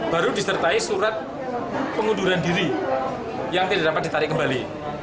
baru disertai surat pengunduran diri yang tidak dapat ditarik kembali